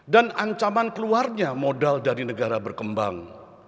dan ancaman keluarnya modal dari negara berkembang